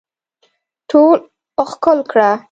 ټول ښکل کړه